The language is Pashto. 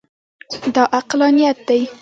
دا عقلانیت دی.